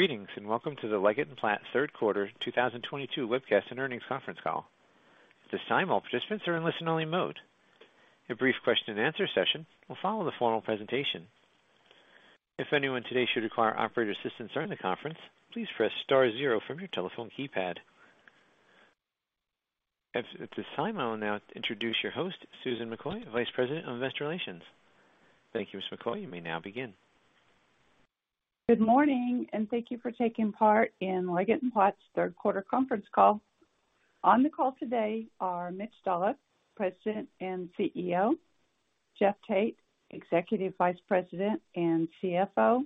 Greetings, and welcome to the Leggett & Platt third quarter 2022 webcast and earnings conference call. At this time, all participants are in listen-only mode. A brief question-and-answer session will follow the formal presentation. If anyone today should require operator assistance during the conference, please press star zero from your telephone keypad. At this time, I will now introduce your host, Susan McCoy, Vice President of Investor Relations. Thank you, Ms. McCoy. You may now begin. Good morning, and thank you for taking part in Leggett & Platt's third quarter conference call. On the call today are Mitch Dolloff, President and CEO, Jeffrey Tate, Executive Vice President and CFO,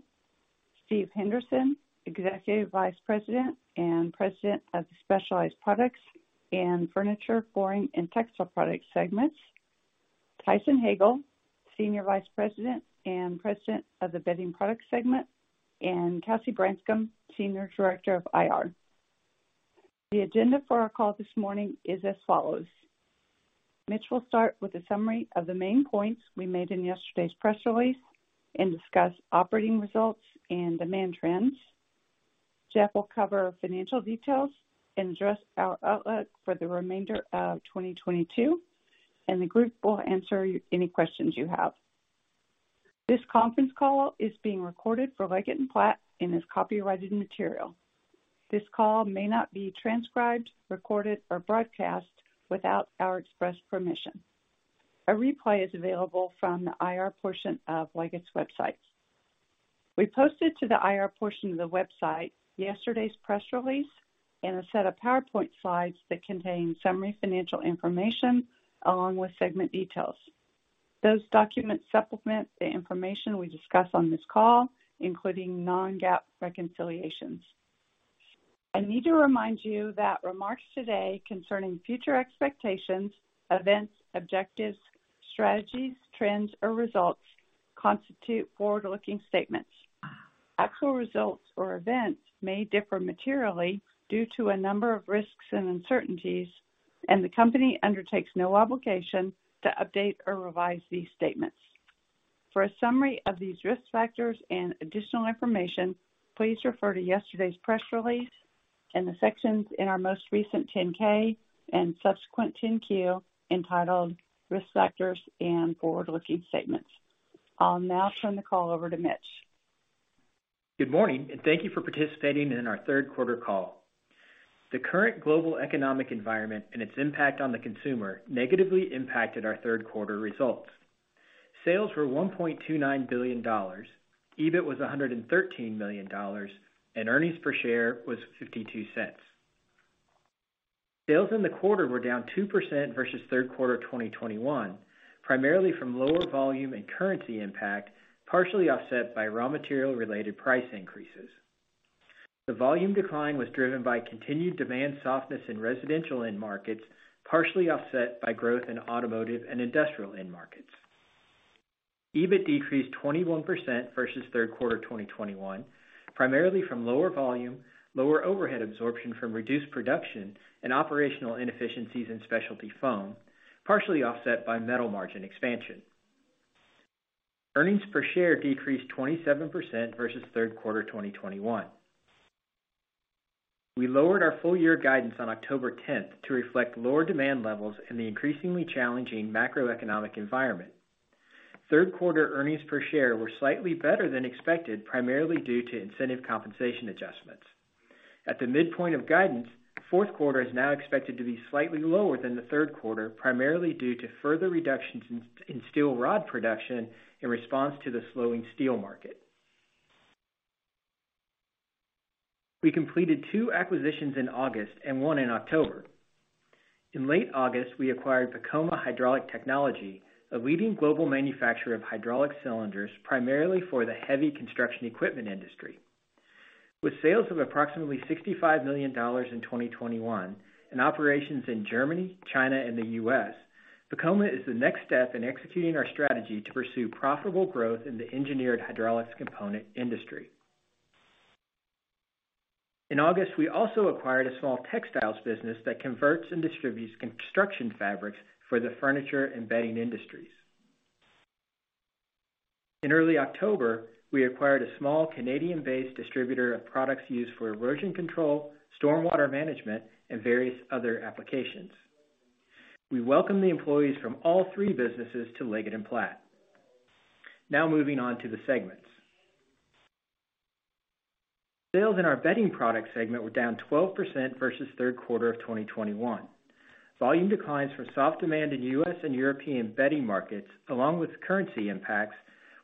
Steve Henderson, Executive Vice President and President of Specialized Products and Furniture, Flooring & Textile Products segments, Tyson Hagale, Senior Vice President and President of the Bedding Products segment, and Cassie Branscum, Senior Director of IR. The agenda for our call this morning is as follows. Mitch will start with a summary of the main points we made in yesterday's press release and discuss operating results and demand trends. Jeff will cover financial details and address our outlook for the remainder of 2022, and the group will answer any questions you have. This conference call is being recorded for Leggett & Platt and is copyrighted material. This call may not be transcribed, recorded, or broadcast without our express permission. A replay is available from the IR portion of Leggett & Platt's website. We posted to the IR portion of the website yesterday's press release and a set of PowerPoint slides that contain summary financial information along with segment details. Those documents supplement the information we discuss on this call, including non-GAAP reconciliations. I need to remind you that remarks today concerning future expectations, events, objectives, strategies, trends, or results constitute forward-looking statements. Actual results or events may differ materially due to a number of risks and uncertainties, and the company undertakes no obligation to update or revise these statements. For a summary of these risk factors and additional information, please refer to yesterday's press release and the sections in our most recent 10-K and subsequent 10-Q entitled Risk Factors and Forward-Looking Statements. I'll now turn the call over to Mitch. Good morning, and thank you for participating in our third quarter call. The current global economic environment and its impact on the consumer negatively impacted our third quarter results. Sales were $1.29 billion. EBIT was $113 million, and earnings per share was $0.52. Sales in the quarter were down 2% versus third quarter 2021, primarily from lower volume and currency impact, partially offset by raw material-related price increases. The volume decline was driven by continued demand softness in residential end markets, partially offset by growth in automotive and industrial end markets. EBIT decreased 21% versus third quarter 2021, primarily from lower volume, lower overhead absorption from reduced production and operational inefficiencies in specialty foam, partially offset by metal margin expansion. Earnings per share decreased 27% versus third quarter 2021. We lowered our full year guidance on October 10 to reflect lower demand levels in the increasingly challenging macroeconomic environment. Third quarter earnings per share were slightly better than expected, primarily due to incentive compensation adjustments. At the midpoint of guidance, fourth quarter is now expected to be slightly lower than the third quarter, primarily due to further reductions in steel rod production in response to the slowing steel market. We completed two acquisitions in August and one in October. In late August, we acquired Pacoma Hydraulic Technology, a leading global manufacturer of hydraulic cylinders, primarily for the heavy construction equipment industry. With sales of approximately $65 million in 2021 and operations in Germany, China, and the U.S., Pacoma is the next step in executing our strategy to pursue profitable growth in the engineered hydraulics component industry. In August, we also acquired a small textiles business that converts and distributes construction fabrics for the furniture and bedding industries. In early October, we acquired a small Canadian-based distributor of products used for erosion control, storm water management, and various other applications. We welcome the employees from all three businesses to Leggett & Platt. Now moving on to the segments. Sales in our Bedding Products segment were down 12% versus third quarter of 2021. Volume declines from soft demand in U.S. and European bedding markets, along with currency impacts,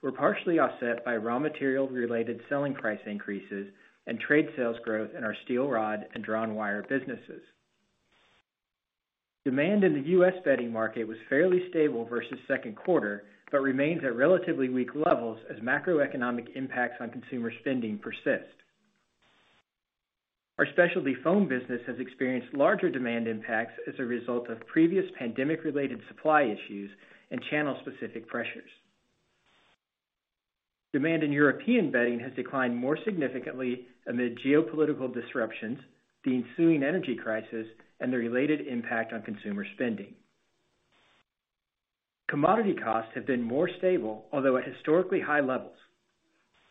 were partially offset by raw material-related selling price increases and trade sales growth in our steel rod and drawn wire businesses. Demand in the U.S. bedding market was fairly stable versus second quarter, but remains at relatively weak levels as macroeconomic impacts on consumer spending persist. Our specialty foam business has experienced larger demand impacts as a result of previous pandemic-related supply issues and channel-specific pressures. Demand in European bedding has declined more significantly amid geopolitical disruptions, the ensuing energy crisis, and the related impact on consumer spending. Commodity costs have been more stable, although at historically high levels.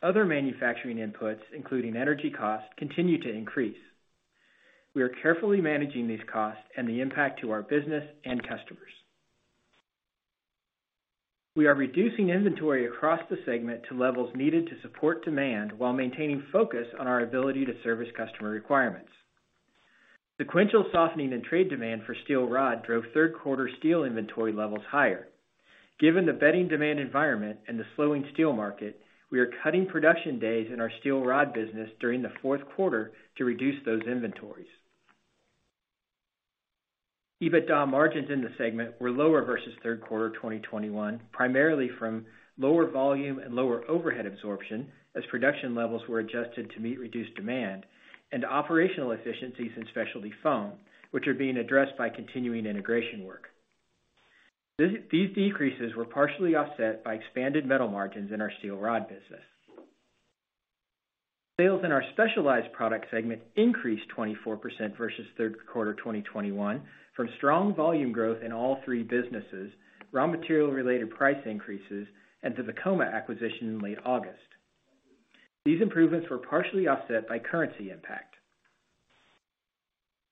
Other manufacturing inputs, including energy costs, continue to increase. We are carefully managing these costs and the impact to our business and customers. We are reducing inventory across the segment to levels needed to support demand while maintaining focus on our ability to service customer requirements. Sequential softening in trade demand for steel rod drove third quarter steel inventory levels higher. Given the bedding demand environment and the slowing steel market, we are cutting production days in our steel rod business during the fourth quarter to reduce those inventories. EBITDA margins in the segment were lower versus third quarter 2021, primarily from lower volume and lower overhead absorption as production levels were adjusted to meet reduced demand and operational efficiencies in specialty foam, which are being addressed by continuing integration work. These decreases were partially offset by expanded metal margins in our steel rod business. Sales in our Specialized Products segment increased 24% versus third quarter 2021 from strong volume growth in all three businesses, raw material related price increases, and to the Pacoma acquisition in late August. These improvements were partially offset by currency impact.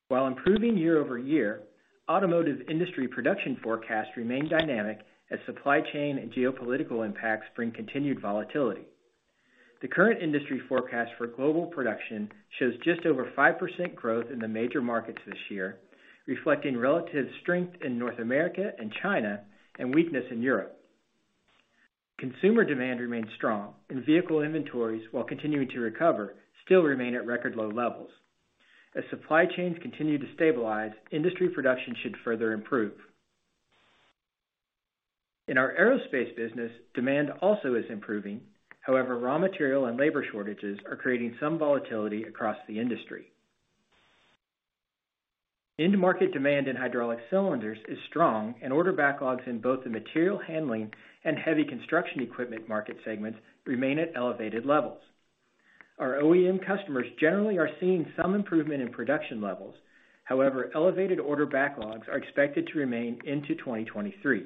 While improving year-over-year, automotive industry production forecasts remain dynamic as supply chain and geopolitical impacts bring continued volatility. The current industry forecast for global production shows just over 5% growth in the major markets this year, reflecting relative strength in North America and China and weakness in Europe. Consumer demand remains strong, and vehicle inventories, while continuing to recover, still remain at record low levels. As supply chains continue to stabilize, industry production should further improve. In our aerospace business, demand also is improving. However, raw material and labor shortages are creating some volatility across the industry. End market demand in hydraulic cylinders is strong, and order backlogs in both the material handling and heavy construction equipment market segments remain at elevated levels. Our OEM customers generally are seeing some improvement in production levels. However, elevated order backlogs are expected to remain into 2023.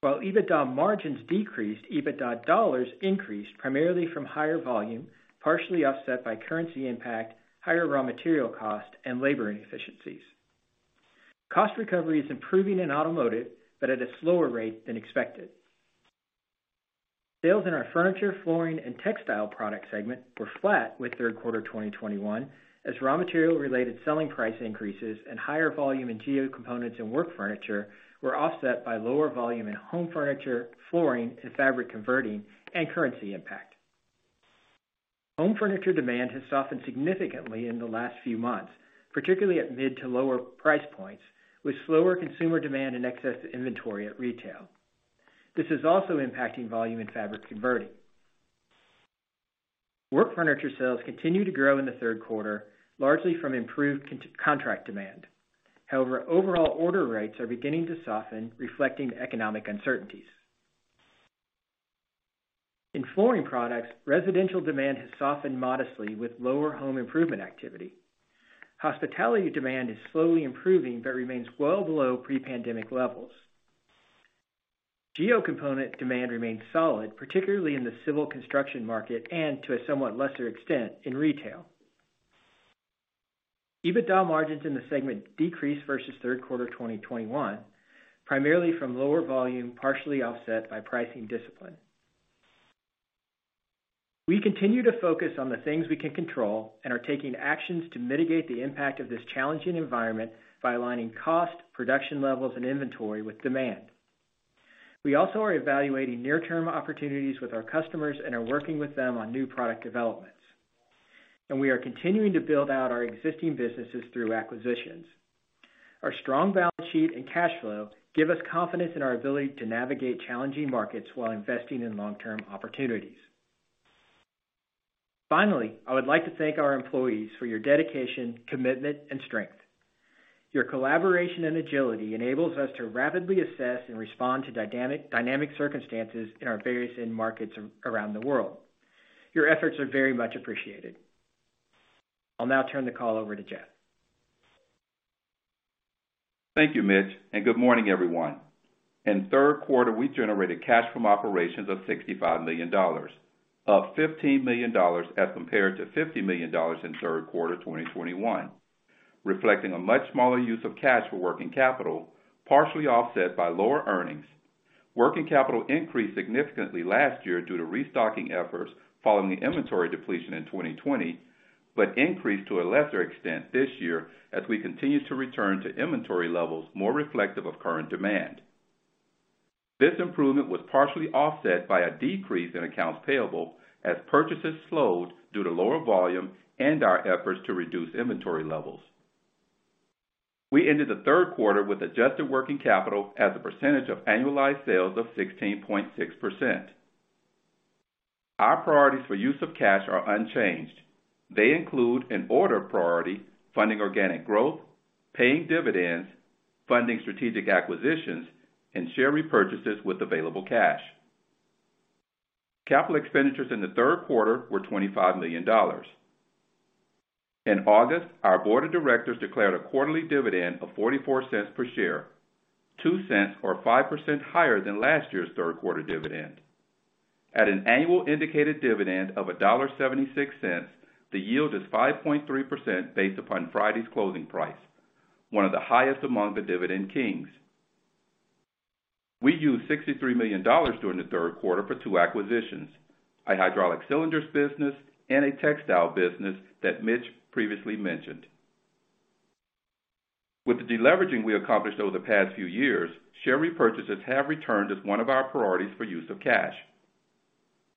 While EBITDA margins decreased, EBITDA dollars increased primarily from higher volume, partially offset by currency impact, higher raw material cost, and labor inefficiencies. Cost recovery is improving in automotive, but at a slower rate than expected. Sales in our Furniture, Flooring & Textile Products segment were flat with third quarter 2021, as raw material related selling price increases and higher volume in geo components and work furniture were offset by lower volume in home furniture, flooring, and fabric converting and currency impact. Home furniture demand has softened significantly in the last few months, particularly at mid to lower price points, with slower consumer demand and excess inventory at retail. This is also impacting volume in fabric converting. Work furniture sales continue to grow in the third quarter, largely from improved contract demand. However, overall order rates are beginning to soften, reflecting the economic uncertainties. In flooring products, residential demand has softened modestly with lower home improvement activity. Hospitality demand is slowly improving but remains well below pre-pandemic levels. Geo components demand remains solid, particularly in the civil construction market and to a somewhat lesser extent in retail. EBITDA margins in the segment decreased versus third quarter 2021, primarily from lower volume, partially offset by pricing discipline. We continue to focus on the things we can control and are taking actions to mitigate the impact of this challenging environment by aligning cost, production levels and inventory with demand. We also are evaluating near-term opportunities with our customers and are working with them on new product developments. We are continuing to build out our existing businesses through acquisitions. Our strong balance sheet and cash flow give us confidence in our ability to navigate challenging markets while investing in long-term opportunities. Finally, I would like to thank our employees for your dedication, commitment, and strength. Your collaboration and agility enables us to rapidly assess and respond to dynamic circumstances in our various end markets around the world. Your efforts are very much appreciated. I'll now turn the call over to Jeff. Thank you, Mitch, and good morning, everyone. In third quarter, we generated cash from operations of $65 million, up $15 million as compared to $50 million in third quarter 2021, reflecting a much smaller use of cash for working capital, partially offset by lower earnings. Working capital increased significantly last year due to restocking efforts following the inventory depletion in 2020, but increased to a lesser extent this year as we continued to return to inventory levels more reflective of current demand. This improvement was partially offset by a decrease in accounts payable as purchases slowed due to lower volume and our efforts to reduce inventory levels. We ended the third quarter with adjusted working capital as a percentage of annualized sales of 16.6%. Our priorities for use of cash are unchanged. They include an order priority, funding organic growth, paying dividends, funding strategic acquisitions, and share repurchases with available cash. Capital expenditures in the third quarter were $25 million. In August, our board of directors declared a quarterly dividend of $0.44 per share, $0.02 or 5% higher than last year's third quarter dividend. At an annual indicated dividend of $1.76, the yield is 5.3% based upon Friday's closing price, one of the highest among the Dividend Kings. We used $63 million during the third quarter for two acquisitions, a hydraulic cylinders business and a textile business that Mitch previously mentioned. With the deleveraging we accomplished over the past few years, share repurchases have returned as one of our priorities for use of cash.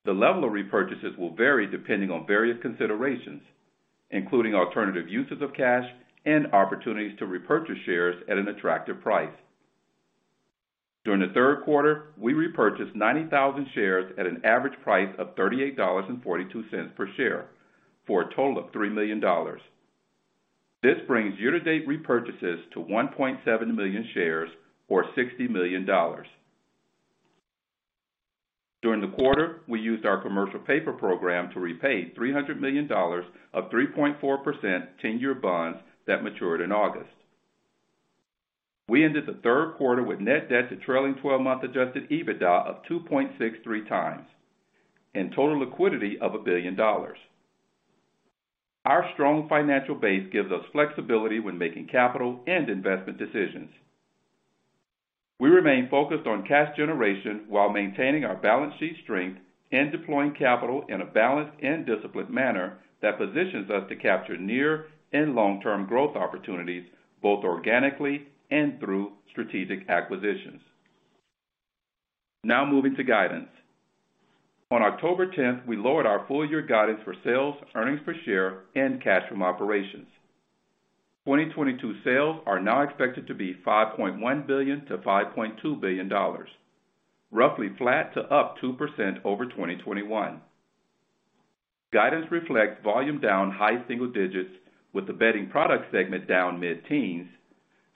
The level of repurchases will vary depending on various considerations, including alternative uses of cash and opportunities to repurchase shares at an attractive price. During the third quarter, we repurchased 90,000 shares at an average price of $38.42 per share for a total of $3 million. This brings year-to-date repurchases to 1.7 million shares or $60 million. During the quarter, we used our commercial paper program to repay $300 million of 3.4% 10-year bonds that matured in August. We ended the third quarter with net debt to trailing twelve-month adjusted EBITDA of 2.63 times and total liquidity of $1 billion. Our strong financial base gives us flexibility when making capital and investment decisions. We remain focused on cash generation while maintaining our balance sheet strength and deploying capital in a balanced and disciplined manner that positions us to capture near- and long-term growth opportunities, both organically and through strategic acquisitions. Now moving to guidance. On October 10th, we lowered our full-year guidance for sales, earnings per share, and cash from operations. 2022 sales are now expected to be $5.1 billion-$5.2 billion, roughly flat to up 2% over 2021. Guidance reflects volume down high single digits with the Bedding Products segment down mid-teens,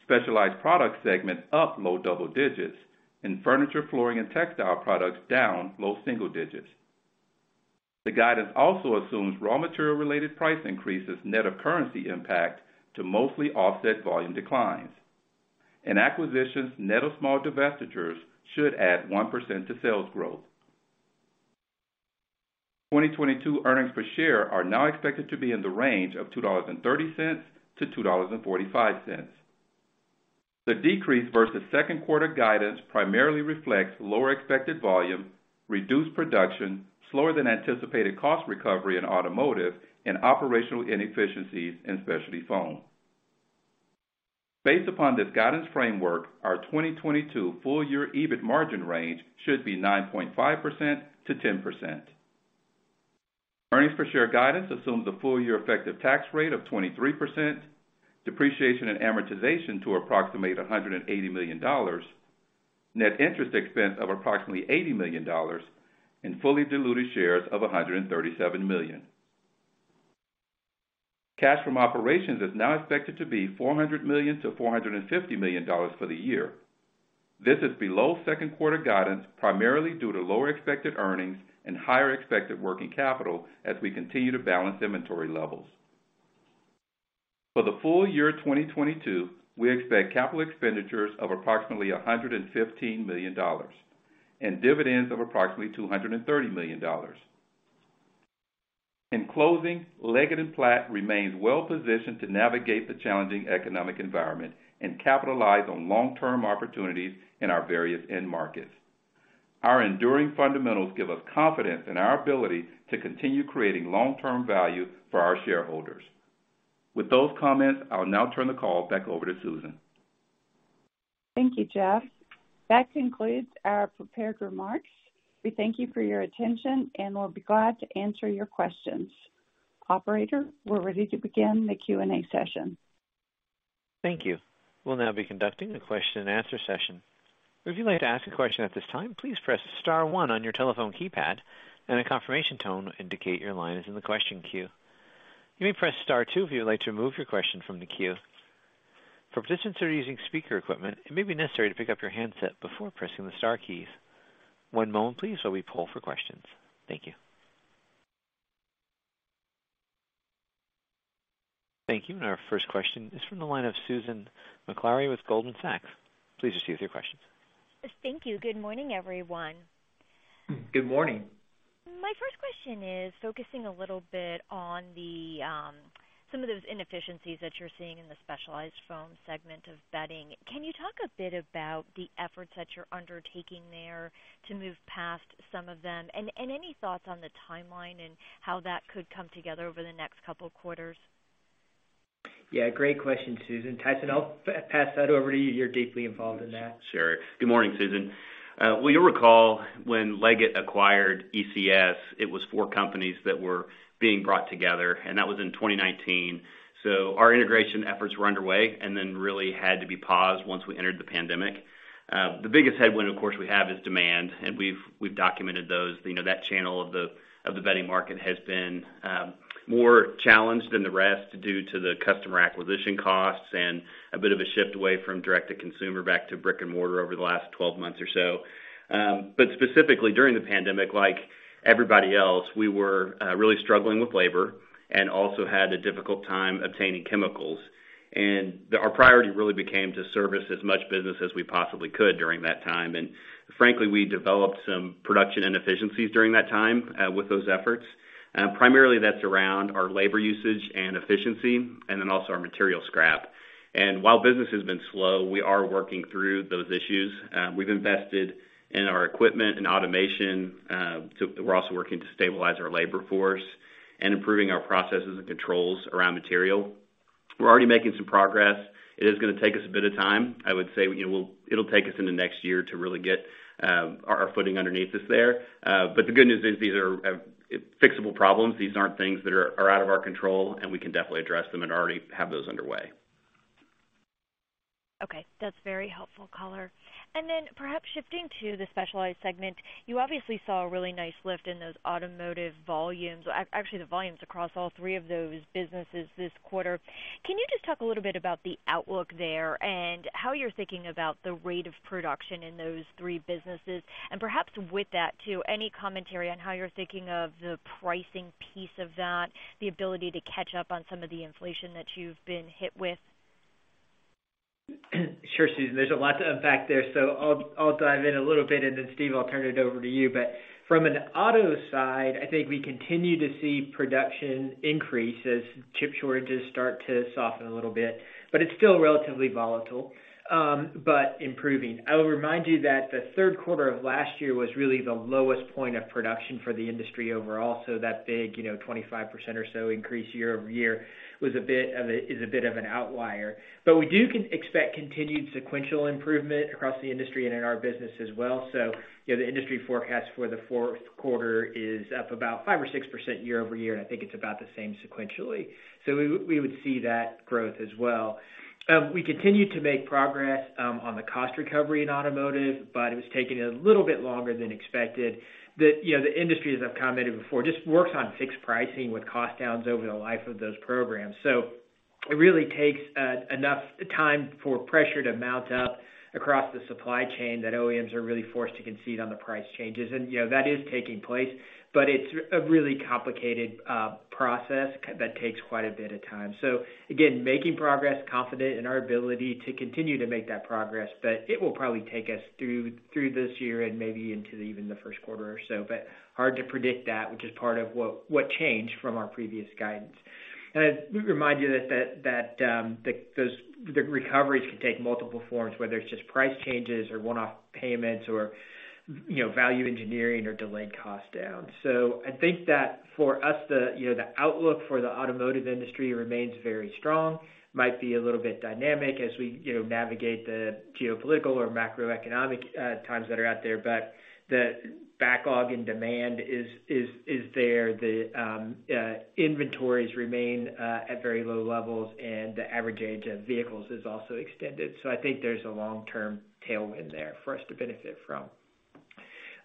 Specialized Products segment up low double digits, and Furniture, Flooring & Textile Products down low single digits. The guidance also assumes raw material-related price increases net of currency impact to mostly offset volume declines. And acquisitions net of small divestitures should add 1% to sales growth. 2022 earnings per share are now expected to be in the range of $2.30-$2.45. The decrease versus second quarter guidance primarily reflects lower expected volume, reduced production, slower than anticipated cost recovery in automotive, and operational inefficiencies in specialty foam. Based upon this guidance framework, our 2022 full year EBIT margin range should be 9.5%-10%. Earnings per share guidance assumes a full year effective tax rate of 23%, depreciation and amortization to approximate $180 million, net interest expense of approximately $80 million and fully diluted shares of 137 million. Cash from operations is now expected to be $400 million-$450 million for the year. This is below second quarter guidance, primarily due to lower expected earnings and higher expected working capital as we continue to balance inventory levels. For the full year 2022, we expect capital expenditures of approximately $115 million and dividends of approximately $230 million. In closing, Leggett & Platt remains well positioned to navigate the challenging economic environment and capitalize on long-term opportunities in our various end markets. Our enduring fundamentals give us confidence in our ability to continue creating long-term value for our shareholders. With those comments, I'll now turn the call back over to Susan. Thank you, Jeff. That concludes our prepared remarks. We thank you for your attention, and we'll be glad to answer your questions. Operator, we're ready to begin the Q&A session. Thank you. We'll now be conducting a question and answer session. If you'd like to ask a question at this time, please press star one on your telephone keypad, and a confirmation tone will indicate your line is in the question queue. You may press star two if you would like to remove your question from the queue. For participants who are using speaker equipment, it may be necessary to pick up your handset before pressing the star keys. One moment please while we poll for questions. Thank you. Thank you. Now our first question is from the line of Susan Maklari with Goldman Sachs. Please proceed with your questions. Thank you. Good morning, everyone. Good morning. My first question is focusing a little bit on the some of those inefficiencies that you're seeing in the specialty foam segment of Bedding. Can you talk a bit about the efforts that you're undertaking there to move past some of them? Any thoughts on the timeline and how that could come together over the next couple of quarters? Yeah. Great question, Susan. Tyson, I'll pass that over to you. You're deeply involved in that. Sure. Good morning, Susan. Well, you'll recall when Leggett acquired ECS, it was four companies that were being brought together, and that was in 2019. Our integration efforts were underway and then really had to be paused once we entered the pandemic. The biggest headwind, of course, we have is demand, and we've documented those. You know, that channel of the bedding market has been more challenged than the rest due to the customer acquisition costs and a bit of a shift away from direct-to-consumer back to brick-and-mortar over the last 12 months or so. But specifically during the pandemic, like everybody else, we were really struggling with labor and also had a difficult time obtaining chemicals. And our priority really became to service as much business as we possibly could during that time. Frankly, we developed some production inefficiencies during that time with those efforts. Primarily that's around our labor usage and efficiency and then also our material scrap. While business has been slow, we are working through those issues. We've invested in our equipment and automation. We're also working to stabilize our labor force and improving our processes and controls around material. We're already making some progress. It is gonna take us a bit of time. I would say, you know, it'll take us into next year to really get our footing underneath us there. The good news is these are fixable problems. These aren't things that are out of our control, and we can definitely address them and already have those underway. Okay. That's very helpful color. Then perhaps shifting to the Specialized segment, you obviously saw a really nice lift in those automotive volumes. Actually, the volumes across all three of those businesses this quarter. Can you just talk a little bit about the outlook there and how you're thinking about the rate of production in those three businesses? Perhaps with that too, any commentary on how you're thinking of the pricing piece of that, the ability to catch up on some of the inflation that you've been hit with? Sure, Susan. There's a lot to unpack there, so I'll dive in a little bit and then Steve, I'll turn it over to you. From an auto side, I think we continue to see production increase as chip shortages start to soften a little bit, but it's still relatively volatile, but improving. I will remind you that the third quarter of last year was really the lowest point of production for the industry overall. That big, you know, 25% or so increase year-over-year was a bit of an outlier. We expect continued sequential improvement across the industry and in our business as well. So you know, the industry forecast for the fourth quarter is up about 5% or 6% year-over-year, and I think it's about the same sequentially. We would see that growth as well. We continue to make progress on the cost recovery in automotive, but it was taking a little bit longer than expected. You know, the industry, as I've commented before, just works on fixed pricing with cost downs over the life of those programs. So it really takes enough time for pressure to mount up across the supply chain that OEMs are really forced to concede on the price changes. You know, that is taking place, but it's a really complicated process that takes quite a bit of time. So again, making progress, confident in our ability to continue to make that progress, but it will probably take us through this year and maybe into even the first quarter or so. Hard to predict that, which is part of what changed from our previous guidance. Let me remind you that those recoveries can take multiple forms, whether it's just price changes or one-off payments or, you know, value engineering or delayed cost down. I think that for us, you know, the outlook for the automotive industry remains very strong. Might be a little bit dynamic as we, you know, navigate the geopolitical or macroeconomic times that are out there, but the backlog and demand is there. The inventories remain at very low levels, and the average age of vehicles is also extended. I think there's a long-term tailwind there for us to benefit from.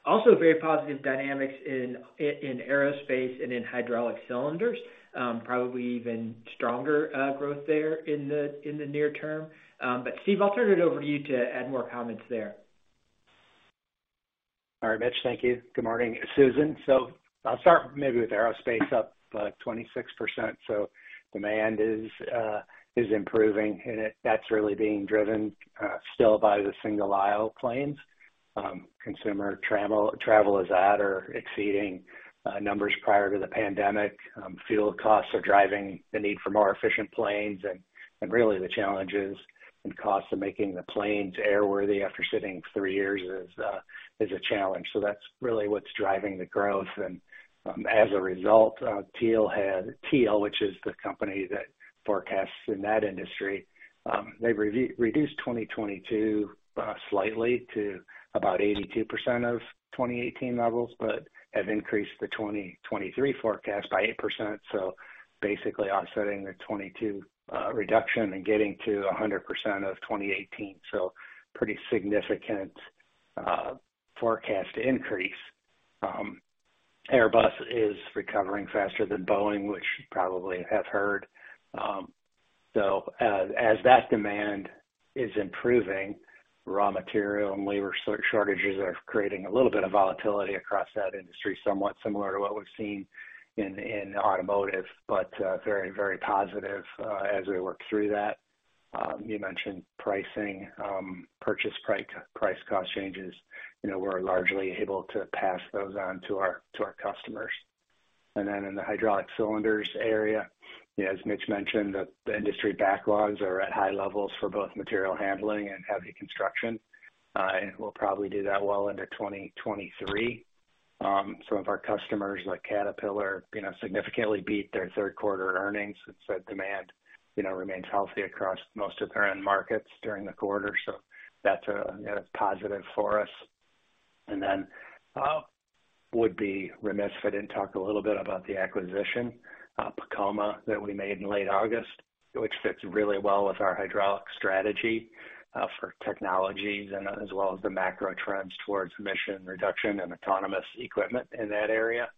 Also, very positive dynamics in aerospace and in hydraulic cylinders. Probably even stronger growth there in the near term. Steve, I'll turn it over to you to add more comments there. All right, Mitch. Thank you. Good morning, Susan. I'll start maybe with aerospace up 26%. Demand is improving, and that's really being driven still by the single aisle planes. Consumer travel is at or exceeding numbers prior to the pandemic. Fuel costs are driving the need for more efficient planes and really the challenges and costs of making the planes airworthy after sitting three years is a challenge. That's really what's driving the growth. And as a result, Teal, which is the company that forecasts in that industry, they reduced 2022 slightly to about 82% of 2018 levels, but have increased the 2023 forecast by 8%. So basically offsetting the 2022 reduction and getting to 100% of 2018. So pretty significant forecast increase. Airbus is recovering faster than Boeing, which you probably have heard. As that demand is improving, raw material and labor shortages are creating a little bit of volatility across that industry, somewhat similar to what we've seen in automotive, but very positive as we work through that. You mentioned pricing, purchase price cost changes. You know, we're largely able to pass those on to our customers. Then in the hydraulic cylinders area, as Mitch mentioned, the industry backlogs are at high levels for both material handling and heavy construction. We'll probably do that well into 2023. Some of our customers, like Caterpillar, you know, significantly beat their third quarter earnings. It said demand, you know, remains healthy across most of their end markets during the quarter. That's a positive for us. And then, would be remiss if I didn't talk a little bit about the acquisition, Pacoma, that we made in late August, which fits really well with our hydraulic strategy for technologies and as well as the macro trends towards emission reduction and autonomous equipment in that area.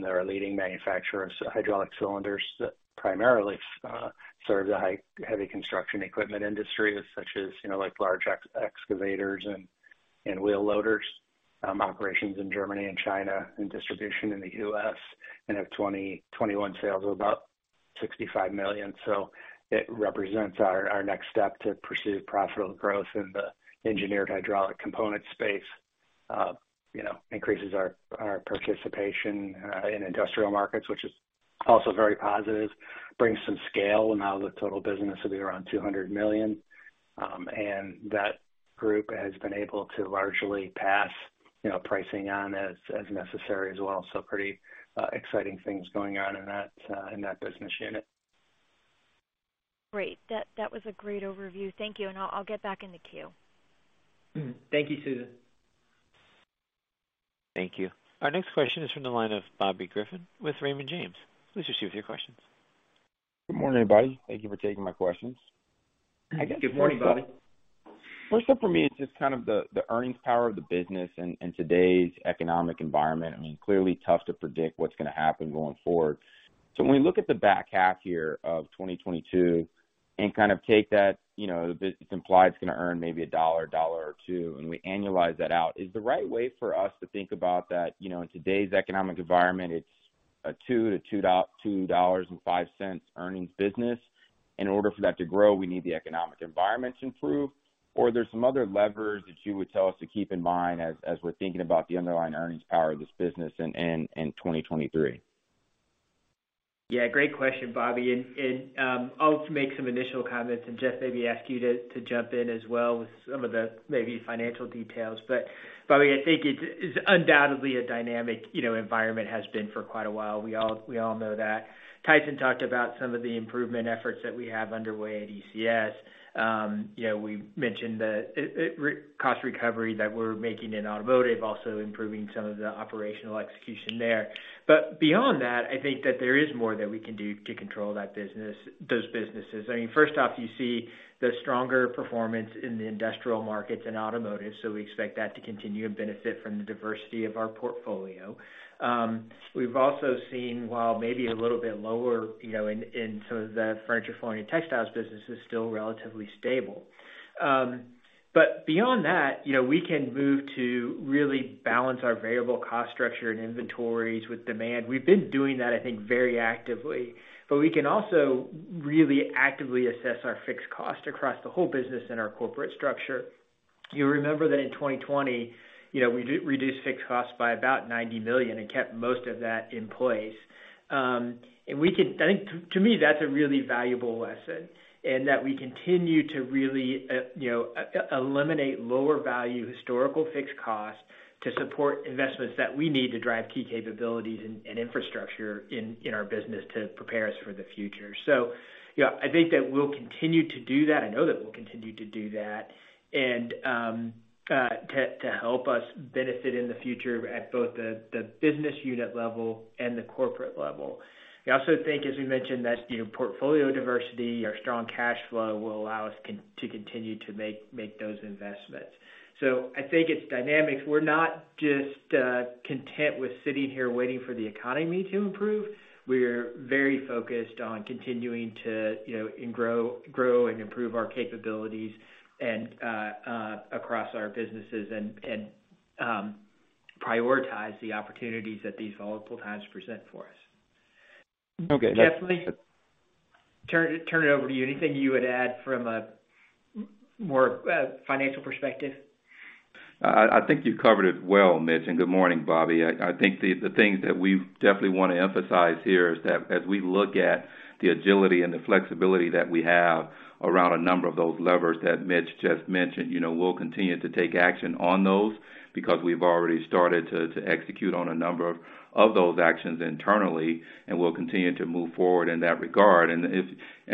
They're a leading manufacturer of hydraulic cylinders that primarily serve the heavy construction equipment industries such as, you know, like large excavators and wheel loaders. Operations in Germany and China and distribution in the U.S., and have 2021 sales of about $65 million. It represents our next step to pursue profitable growth in the engineered hydraulic component space. You know, increases our participation in industrial markets, which is also very positive. Brings some scale. Now the total business will be around $200 million. And that group has been able to largely pass, you know, pricing on as necessary as well. Pretty exciting things going on in that business unit. Great. That was a great overview. Thank you. I'll get back in the queue. Mm-hmm. Thank you, Susan. Thank you. Our next question is from the line of Bobby Griffin with Raymond James. Please proceed with your questions. Good morning, everybody. Thank you for taking my questions. Good morning, Bobby. First up for me is just kind of the earnings power of the business in today's economic environment. I mean, clearly tough to predict what's gonna happen going forward. So when we look at the back half here of 2022 and kind of take that, you know, the business implied it's gonna earn maybe $1 or $2, and we annualize that out. Is the right way for us to think about that, you know, in today's economic environment, it's a $2 to $2.05 earnings business? In order for that to grow, we need the economic environment to improve? Or there's some other levers that you would tell us to keep in mind as we're thinking about the underlying earnings power of this business in 2023. Yeah. Great question, Bobby. I'll make some initial comments and Jeff maybe ask you to jump in as well with some of the maybe financial details. Bobby, I think it's undoubtedly a dynamic, you know, environment, has been for quite a while. We all know that. Tyson talked about some of the improvement efforts that we have underway at ECS. You know, we mentioned the cost recovery that we're making in automotive, also improving some of the operational execution there. But beyond that, I think that there is more that we can do to control that business, those businesses. I mean, first off, you see the stronger performance in the industrial markets and automotive, so we expect that to continue and benefit from the diversity of our portfolio. We've also seen while maybe a little bit lower, you know, in some of the furniture, flooring and textiles business is still relatively stable. But beyond that, you know, we can move to really balance our variable cost structure and inventories with demand. We've been doing that, I think, very actively. We can also really actively assess our fixed cost across the whole business in our corporate structure. You'll remember that in 2020, you know, we reduced fixed costs by about $90 million and kept most of that in place. I think to me, that's a really valuable lesson in that we continue to really, you know, eliminate lower value, historical fixed costs to support investments that we need to drive key capabilities and infrastructure in our business to prepare us for the future. You know, I think that we'll continue to do that. I know that we'll continue to do that. To help us benefit in the future at both the business unit level and the corporate level. We also think, as we mentioned, that, you know, portfolio diversity or strong cash flow will allow us to continue to make those investments. I think it's dynamics. We're not just content with sitting here waiting for the economy to improve. We're very focused on continuing to, you know, and grow and improve our capabilities and across our businesses and prioritize the opportunities that these volatile times present for us. Okay. Jeff, maybe turn it over to you. Anything you would add from a more financial perspective? I think you covered it well, Mitch, and good morning, Bobby. I think the things that we definitely wanna emphasize here is that as we look at the agility and the flexibility that we have around a number of those levers that Mitch just mentioned, you know, we'll continue to take action on those because we've already started to execute on a number of those actions internally, and we'll continue to move forward in that regard.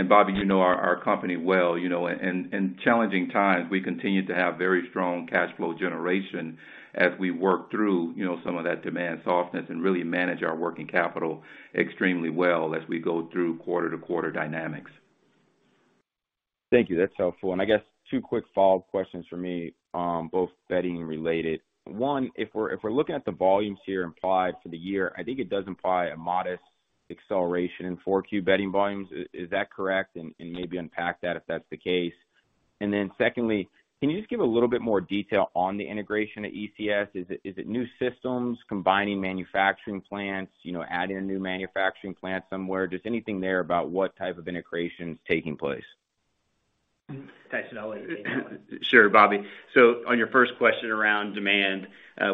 Bobby, you know our company well, you know, in challenging times, we continue to have very strong cash flow generation as we work through, you know, some of that demand softness and really manage our working capital extremely well as we go through quarter-to-quarter dynamics. Thank you. That's helpful. I guess two quick follow-up questions from me, both bedding related. One, if we're looking at the volumes here implied for the year, I think it does imply a modest acceleration in 4Q bedding volumes. Is that correct? And maybe unpack that if that's the case. Secondly, can you just give a little bit more detail on the integration at ECS? Is it new systems combining manufacturing plants? You know, adding a new manufacturing plant somewhere? Just anything there about what type of integration is taking place. Tyson, I'll let you take that one. Sure, Bobby. So on your first question around demand,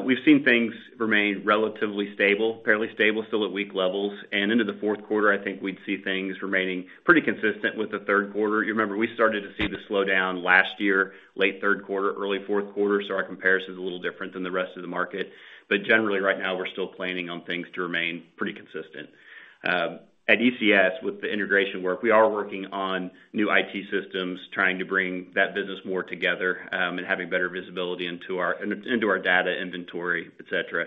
we've seen things remain relatively stable, fairly stable, still at weak levels. Into the fourth quarter, I think we'd see things remaining pretty consistent with the third quarter. You remember, we started to see the slowdown last year, late third quarter, early fourth quarter, so our comparison is a little different than the rest of the market. Generally, right now, we're still planning on things to remain pretty consistent. At ECS, with the integration work, we are working on new IT systems, trying to bring that business more together, and having better visibility into our data inventory, et cetera.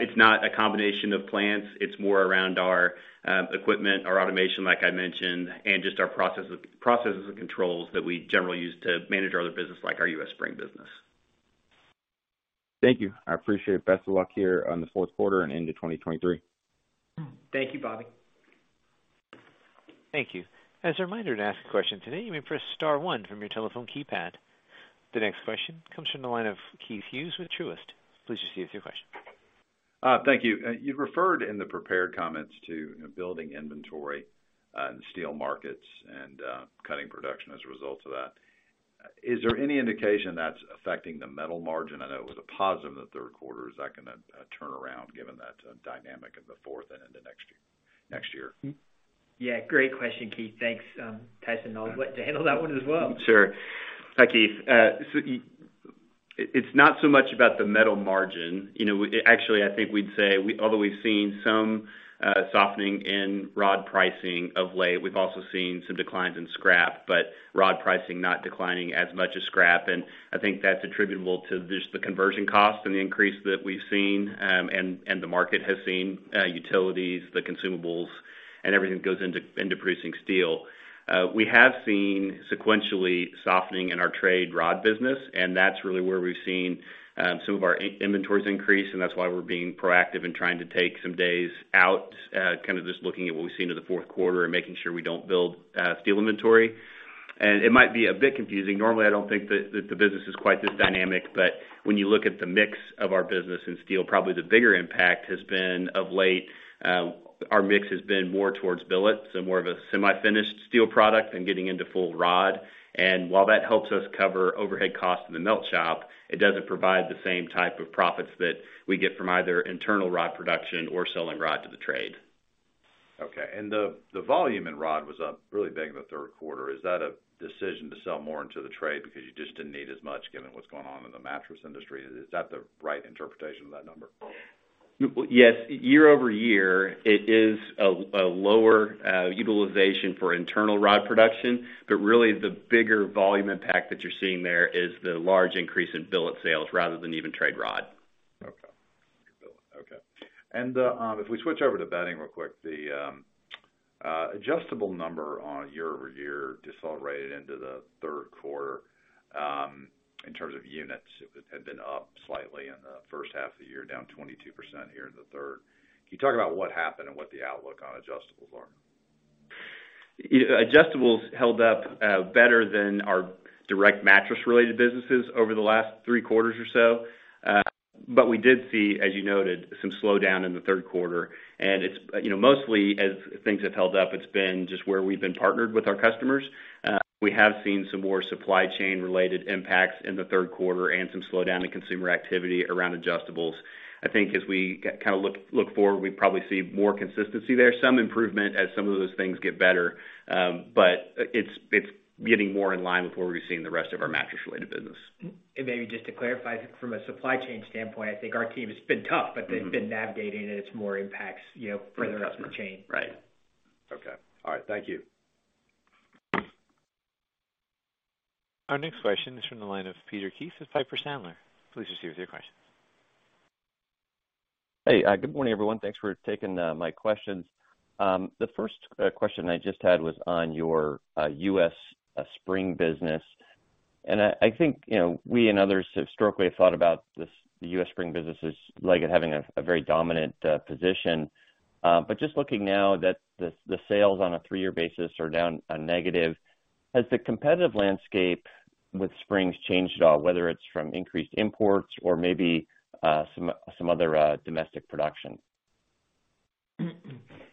It's not a combination of plants. It's more around our equipment, our automation, like I mentioned, and just our processes and controls that we generally use to manage our other business like our US spring business. Thank you. I appreciate it. Best of luck here on the fourth quarter and into 2023. Thank you, Bobby. Thank you. As a reminder to ask a question today, you may press star one from your telephone keypad. The next question comes from the line of Keith Hughes with Truist. Please proceed with your question. Thank you. You've referred in the prepared comments to building inventory in steel markets and cutting production as a result of that. Is there any indication that's affecting the metal margin? I know it was a positive in the third quarter. Is that gonna turn around given that dynamic in the fourth and into next year, next year? Yeah. Great question, Keith. Thanks. Tyson, I'll let you handle that one as well. Sure. Hi, Keith. It's not so much about the metal margin. Actually, I think we'd say although we've seen some softening in rod pricing of late, we've also seen some declines in scrap, but rod pricing not declining as much as scrap. I think that's attributable to just the conversion cost and the increase that we've seen, and the market has seen in utilities, the consumables, and everything goes into producing steel. We have seen sequentially softening in our trade rod business, and that's really where we've seen some of our inventories increase, and that's why we're being proactive in trying to take some days out, kind of just looking at what we see into the fourth quarter and making sure we don't build steel inventory. It might be a bit confusing. Normally, I don't think that the business is quite this dynamic, but when you look at the mix of our business in steel, probably the bigger impact has been of late, our mix has been more towards billet, so more of a semi-finished steel product than getting into full rod. While that helps us cover overhead costs in the melt shop, it doesn't provide the same type of profits that we get from either internal rod production or selling rod to the trade. Okay. The volume in rod was up really big in the third quarter. Is that a decision to sell more into the trade because you just didn't need as much given what's going on in the mattress industry? Is that the right interpretation of that number? Yes. Year-over-year, it is a lower utilization for internal rod production. Really, the bigger volume impact that you're seeing there is the large increase in billet sales rather than even trade rod. Okay. And if we switch over to bedding real quick, the adjustable number on year-over-year decelerated in the third quarter, in terms of units. It had been up slightly in the first half of the year, down 22% here in the third. Can you talk about what happened and what the outlook on adjustables are? Adjustables held up better than our direct mattress-related businesses over the last three quarters or so. We did see, as you noted, some slowdown in the third quarter, and it's, you know, mostly as things have held up, it's been just where we've been partnered with our customers. We have seen some more supply chain related impacts in the third quarter and some slowdown in consumer activity around adjustables. I think as we kind of look forward, we probably see more consistency there, some improvement as some of those things get better. It's getting more in line with where we've seen the rest of our mattress-related business. Maybe just to clarify, from a supply chain standpoint, I think our team has been tough, but they've been navigating it. It's more impacts, you know, further up the chain. Right. Okay. All right. Thank you. Our next question is from the line of Peter Keith with Piper Sandler. Please proceed with your question. Hey. Good morning, everyone. Thanks for taking my questions. The first question I just had was on your U.S. spring business. And I think, you know, we and others historically have thought about this, the U.S. spring business as Leggett having a very dominant position. But just looking now that the sales on a three-year basis are down negative. Has the competitive landscape with springs changed at all, whether it's from increased imports or maybe some other domestic production?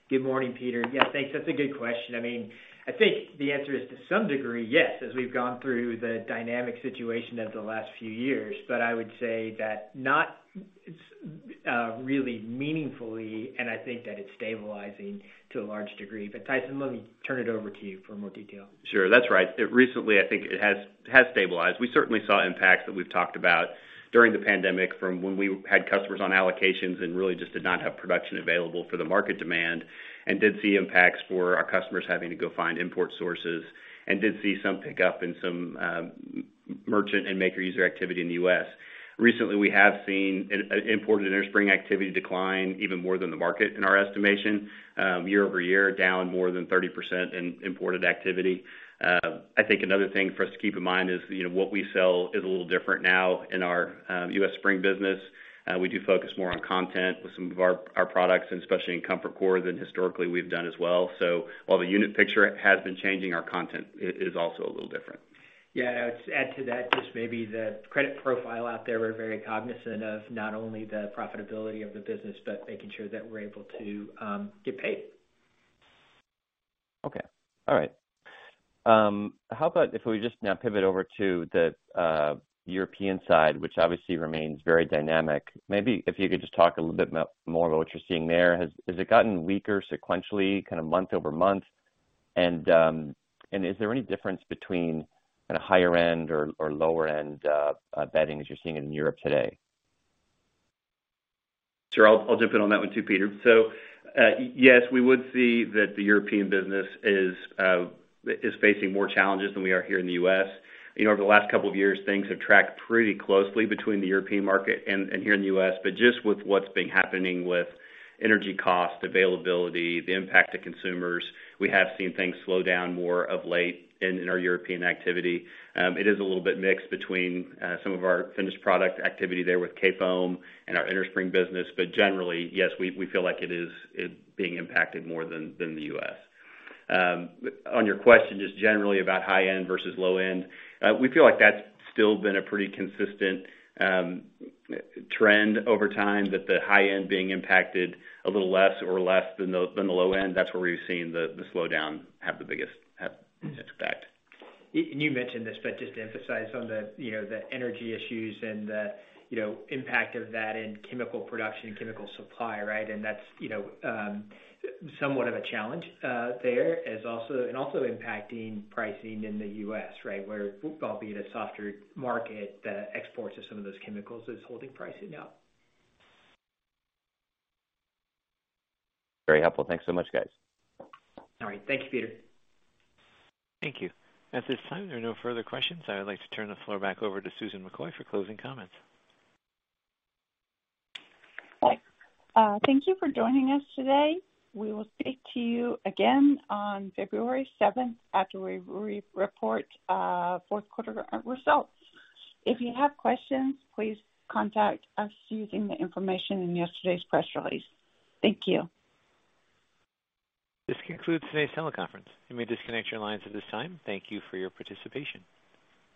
Good morning, Peter. Yeah, thanks. That's a good question. I mean, I think the answer is to some degree, yes, as we've gone through the dynamic situation of the last few years. I would say that not really meaningfully, and I think that it's stabilizing to a large degree. Tyson, let me turn it over to you for more detail. Sure. That's right. Recently, I think it has stabilized. We certainly saw impacts that we've talked about during the pandemic from when we had customers on allocations and really just did not have production available for the market demand and did see impacts for our customers having to go find import sources and did see some pickup in some merchant and maker user activity in the U.S. Recently, we have seen import in innerspring activity decline even more than the market, in our estimation, year-over-year, down more than 30% in imported activity. I think another thing for us to keep in mind is, you know, what we sell is a little different now in our U.S. spring business. We do focus more on content with some of our products, and especially in ComfortCore, than historically we've done as well. So while the unit picture has been changing, our content is also a little different. Yeah, I'd add to that just maybe the credit profile out there. We're very cognizant of not only the profitability of the business, but making sure that we're able to get paid. Okay. All right. How about if we just now pivot over to the European side, which obviously remains very dynamic. Maybe if you could just talk a little bit more about what you're seeing there. Has it gotten weaker sequentially, kind of month-over-month? And is there any difference between at a higher end or lower end bedding as you're seeing it in Europe today? Sure. I'll jump in on that one too, Peter. So yes, we would see that the European business is facing more challenges than we are here in the U.S. You know, over the last couple of years, things have tracked pretty closely between the European market and here in the U.S. But just with what's been happening with energy cost, availability, the impact to consumers, we have seen things slow down more of late in our European activity. It is a little bit mixed between some of our finished product activity there with Kayfoam and our inner spring business. But generally, yes, we feel like it is being impacted more than the U.S. On your question just generally about high end versus low end, we feel like that's still been a pretty consistent trend over time, that the high end being impacted a little less than the low end. That's where we've seen the slowdown have its biggest impact. You mentioned this, but just to emphasize on the, you know, the energy issues and the, you know, impact of that in chemical production and chemical supply, right? That's, you know, somewhat of a challenge out there and also impacting pricing in the U.S., right, where, albeit a softer market, the exports of some of those chemicals is holding pricing up. Very helpful. Thanks so much, guys. All right. Thank you, Peter. Thank you. At this time, there are no further questions. I would like to turn the floor back over to Susan McCoy for closing comments. Thanks. Thank you for joining us today. We will speak to you again on February seventh after we re-report fourth quarter results. If you have questions, please contact us using the information in yesterday's press release. Thank you. This concludes today's teleconference. You may disconnect your lines at this time. Thank you for your participation.